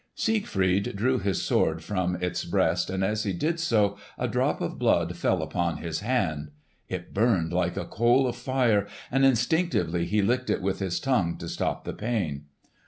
Siegfried drew his sword from its breast, and as he did so a drop of blood fell upon his hand. It burned like a coal of fire, and instinctively he licked it with his tongue to stop the pain.